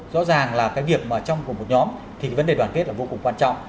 rõ ràng là cái việc mà trong cùng một nhóm thì vấn đề đoàn kết là vô cùng quan trọng